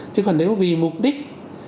chứ còn nếu vì mục đích